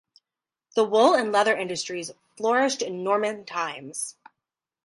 The wool and leather industries flourished in Norman times.